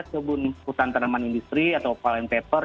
dan di keputusan tanaman industri atau fallen paper